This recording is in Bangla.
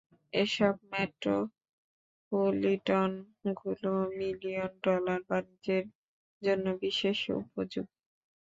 এসব মেট্রোপলিটন গুলো মিলিয়ন ডলার বাণিজ্যের জন্য বিশেষ উপযোগী।